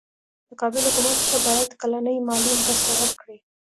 د کابل حکومت ته باید کلنۍ مالي مرسته ورکړي.